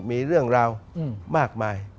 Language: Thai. มีเรื่องราวมากมาย